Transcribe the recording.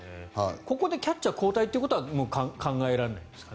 ここでキャッチャー交代ということは考えられないんですか。